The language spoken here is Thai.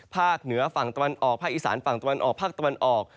เหนือฝั่งตะวันออกภาคอีสานฝั่งตะวันออกภาคตะวันออก